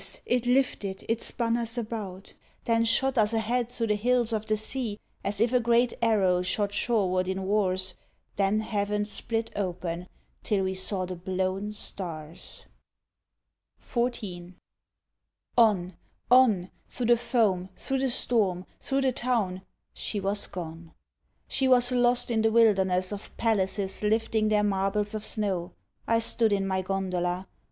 It lifted, it spun us about, Then shot us ahead through the hills of the sea As if a great arrow shot shoreward in wars Then heaven split open till we saw the blown stars. XIV. On! On! Through the foam, through the storm, through the town, She was gone. She was lost in the wilderness Of palaces lifting their marbles of snow. I stood in my gondola.